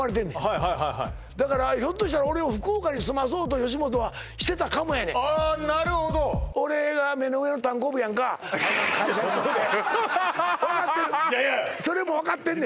はいはいはいはいだからひょっとしたら俺を福岡に住まそうと吉本はしてたかもやねんあなるほど俺が目の上のたんこぶやんかあの会社にとって分かってるそれも分かってんねん